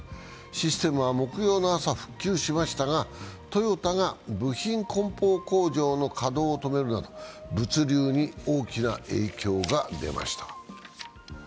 システムは木曜の朝復旧しましたがトヨタが部品こん包工場の稼働を止めるなど物流に大きな影響が出ました。